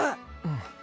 うん。